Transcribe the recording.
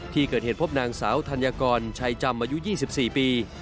ที่เกิดเหตุพบนางสาวธัญกรชัยจำอายุ๒๔ปี